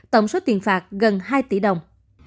tổng số tuyên phạt gần hai tỷ đồng